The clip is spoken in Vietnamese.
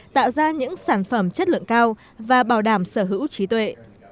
tạo ra những sản phẩm chất lượng cao và bảo đảm sở hữu trí tuệ